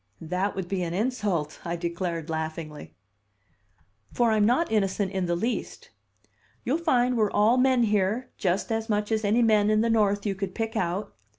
"That would be an insult," I declared laughingly. "For I'm not innocent in the least. You'll find we're all men here, just as much as any men in the North you could pick out.